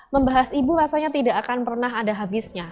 membahas ibu rasanya tidak akan pernah ada habisnya